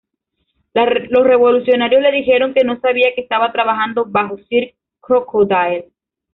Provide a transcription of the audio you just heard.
Los revolucionarios, le dijeron que no sabía que estaba trabajando bajo Sir Crocodile.